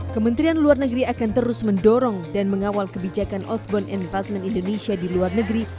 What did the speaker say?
kementerian luar negeri akan terus mendorong dan mengawal kebijakan outbound investment indonesia di luar negeri